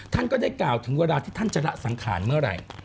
ท่านก็ได้กล่าวถึงเวลาที่ท่านจะละสังขารเมื่อไหร่